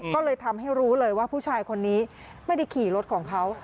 ก็เลยทำให้รู้เลยว่าผู้ชายคนนี้ไม่ได้ขี่รถของเขา